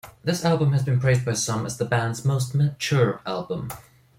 This album has been praised by some as the band's most mature album.